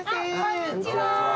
こんにちは。